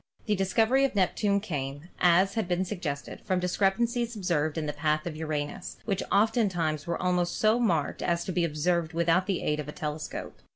The discovery of Neptune came, as has been suggested, from discrepancies observed in the path of Uranus, which oftentimes were almost so marked as to be observed with out the aid of the telescope.